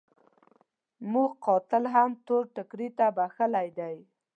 موږ قاتل هم تور ټکري ته بخښلی دی.